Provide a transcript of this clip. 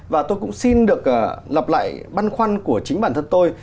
và tôi cũng xin được lập lại băn khoăn của chính bản thân tôi